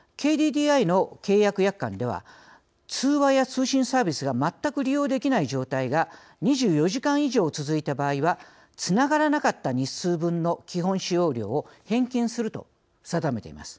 ＫＤＤＩの契約約款では通話や通信サービスが全く利用できない状態が２４時間以上、続いた場合はつながらなかった日数分の基本使用料を返金すると定めています。